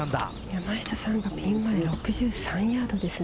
山下さんがピンまで６３ヤードです。